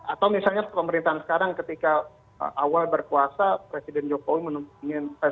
atau misalnya pemerintahan sekarang ketika awal berkuasa presiden jokowi ingin